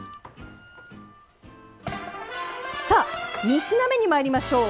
さあ３品目にまいりましょう。